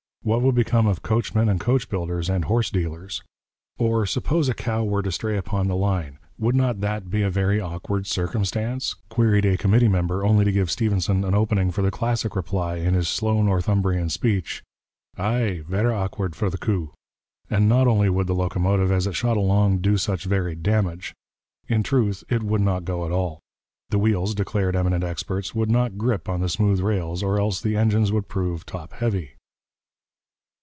What would become of coachmen and coach builders and horse dealers? 'Or suppose a cow were to stray upon the line; would not that be a very awkward circumstance?' queried a committee member, only to give Stephenson an opening for the classic reply in his slow Northumbrian speech: 'Ay, verra awkward for the coo.' And not only would the locomotive as it shot along do such varied damage; in truth, it would not go at all; the wheels, declared eminent experts, would not grip on the smooth rails, or else the engines would prove top heavy.